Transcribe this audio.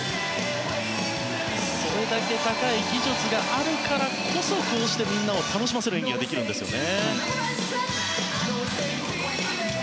それだけ高い技術があるからこそこうしてみんなを楽しませる演技ができるんですよね。